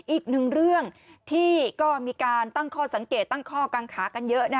อีกหนึ่งเรื่องที่ก็มีการตั้งข้อสังเกตตั้งข้อกังขากันเยอะ